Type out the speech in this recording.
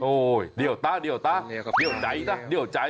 โอ้ยเดี๋ยวตะเดี๋ยวตะเดี๋ยวใจตะเดี๋ยวใจ